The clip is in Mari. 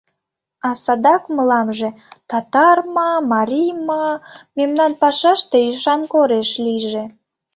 — А садак мыламже: татар ма, марий ма — мемнан пашаште ӱшан кореш лийже.